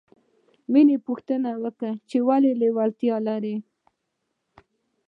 مینې پوښتنه وکړه چې ولې لېوالتیا لرې